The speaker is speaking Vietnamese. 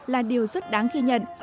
là điều rất đáng ghi nhận